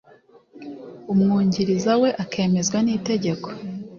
Umwungiriza we akemezwa nitegeko